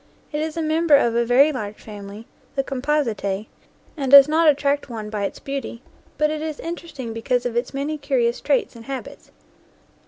It is a member of a very large family, the Composite, and does not attract one by its beauty, but it is interesting because of its many curious traits and habits.